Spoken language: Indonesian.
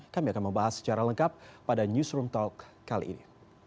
kami akan membahas secara lengkap pada newsroom talk kali ini